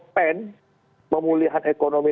pen pemulihan ekonomi